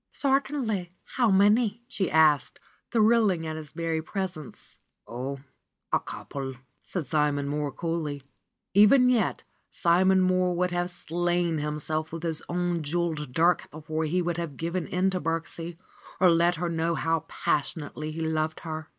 ^^Certainly ! How many ?" she asked, thrilling at his very presence. ^^Oh, a couple," said Simon Mohr coolly. Even yet Simon Mohr would have slain himself with his own jeweled dirk before he would have given in to Birksie or let her know how passionately he loved her.